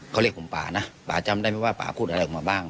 เขาเรียกผมป่านะป่าจำได้ไหมว่าป่าพูดอะไรออกมาบ้าง